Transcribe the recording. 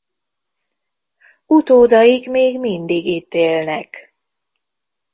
Utódaik még mindig itt élnek.